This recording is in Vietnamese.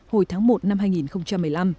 hồi tháng một năm hai nghìn một mươi năm